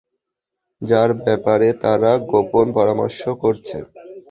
যার ব্যাপারে তারা গোপন পরামর্শ করছে।